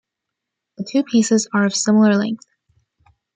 The two pieces are of similar length.